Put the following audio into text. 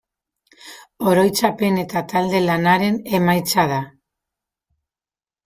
Oroitzapen eta talde-lanaren emaitza da.